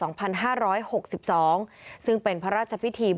ในเวลาเดิมคือ๑๕นาทีครับ